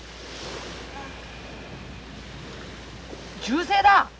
銃声だ！